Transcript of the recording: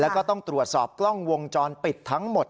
แล้วก็ต้องตรวจสอบกล้องวงจรปิดทั้งหมด